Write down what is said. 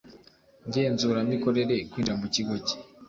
ngenzuramikorere kwinjira mu kigo cye